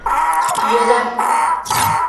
Йөҙәм.